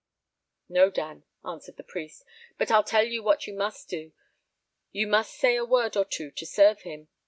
"No, Dan," answered the priest; "but I'll tell you what you must do, you must say a word or two to serve him."